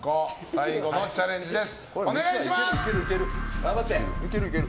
最後のチャレンジです。